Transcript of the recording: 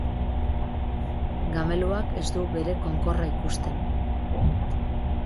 Gameluak ez du bere konkorra ikusten